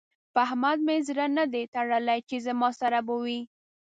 په احمد مې زړه نه دی تړلی چې زما سره به وي.